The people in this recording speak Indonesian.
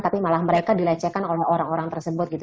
tapi malah mereka dilecehkan oleh orang orang tersebut gitu